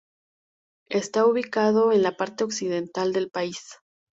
Está ubicado en la parte occidental del país.